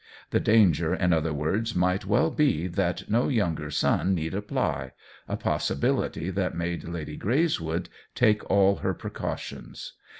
The danger, in other words, might well be that no younger son need apply — a possibility that made Lady Greyswood take all her precau tions.